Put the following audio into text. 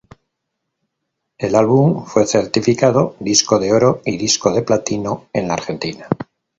El álbum fue certificado Disco de Oro y Disco de Platino en la Argentina.